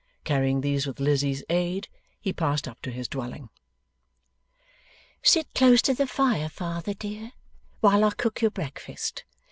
Carrying these with Lizzie's aid, he passed up to his dwelling. 'Sit close to the fire, father, dear, while I cook your breakfast.